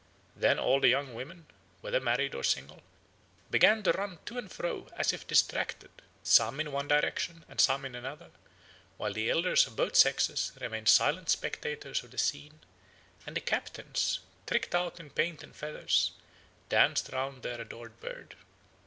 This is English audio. Then all the young women, whether married or single, began to run to and fro, as if distracted, some in one direction and some in another, while the elders of both sexes remained silent spectators of the scene, and the captains, tricked out in paint and feathers, danced round their adored bird.